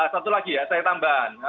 satu lagi ya saya tambahan